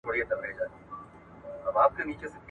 ایا تاسو د دې موضوع مخینه لیدلې ده؟